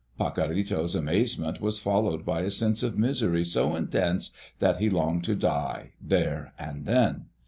Pacorrito's amazement was followed by a sense of misery so intense that he longed to die there and then.